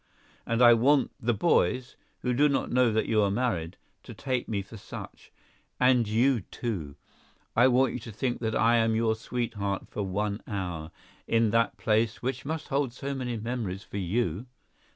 and I want the boys, who do not know that you are married, to take me for such; and you too—I want you to think that I am your sweetheart for one hour, in that place which must hold so many memories for you.